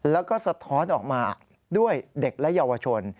แล้วก็สะท้อนออกมาด้วยเด็กและเยาวชน